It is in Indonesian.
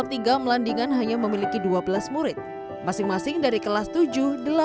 smpn satu atap tiga melandingan hanya memiliki dua belas murid masing masing dari kelas tujuh delapan dan sembilan sehingga ada